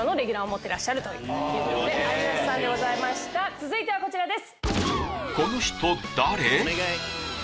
続いてはこちらです。